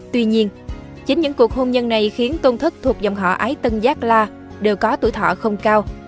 tuy nhiên chính những cuộc hôn nhân này khiến tôn thức thuộc dòng họ ái tân giác la đều có tuổi thọ không cao